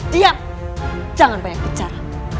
diam jangan banyak bicara